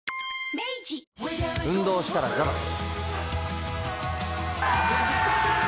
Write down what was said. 明治運動したらザバス。